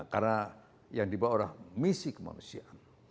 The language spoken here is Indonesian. karena yang dibawah adalah misi kemanusiaan